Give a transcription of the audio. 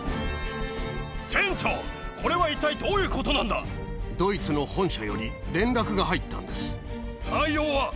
船長、これは一体どういうこドイツの本社より連絡が入っ内容は？